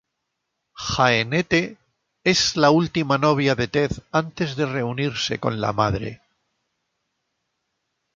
Jeanette es última novia de Ted antes de reunirse con la madre.